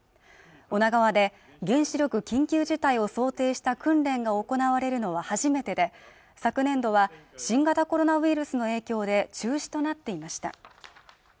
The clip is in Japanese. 女川で原子力緊急事態を想定した訓練が行われるのは初めてで昨年度は新型コロナウイルスの影響で中止となっていました